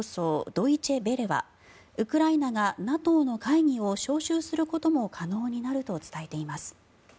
ドイチェ・ヴェレはウクライナがＮＡＴＯの会議を招集することも可能になると伝えています。